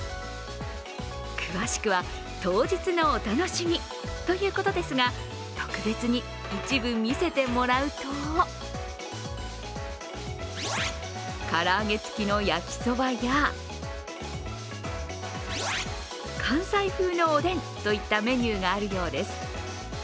詳しくは当日のお楽しみということですが特別に一部見せてもらうと唐揚げつきの焼きそばや関西風のおでんといったメニューがあるようです。